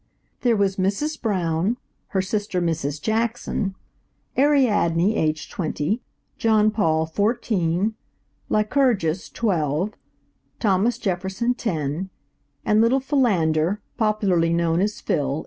There was Mrs. Brown, her sister Mrs. Jackson; Ariadne, aged twenty; Jean Paul, fourteen; Lycurgus, twelve; Thomas Jefferson, ten; and little Philander, popularly known as Phil.